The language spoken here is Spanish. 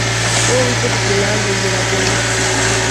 Fue obispo titular de Hierápolis.